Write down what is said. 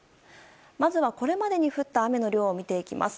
まずは、これまでに降った雨の量を見ていきます。